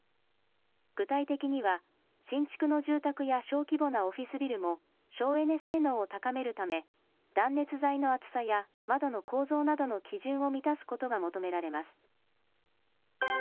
具体的には、新築の住宅や小規模なオフィスビルも省エネ性能を高めるため、断熱材の厚さや窓の構造などの基準を満たすことが求められます。